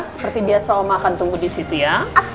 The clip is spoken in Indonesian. seperti biasa omah akan tunggu disitu ya